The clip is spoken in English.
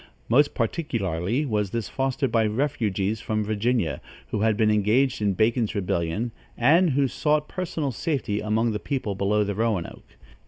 Most particularly was this fostered by refugees from Virginia, who had been engaged in Bacon's rebellion, and who sought personal safety among the people below the Roanoke.